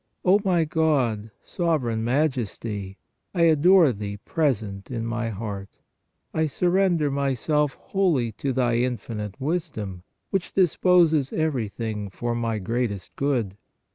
O my God, Sovereign Majesty, I adore Thee present in my heart. I surrender myself wholly to Thy infinite wisdom, which disposes everything for 174 PRAYER my greatest good.